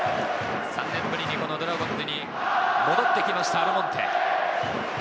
３年ぶりにこのドラゴンズに戻ってきましたアルモンテ。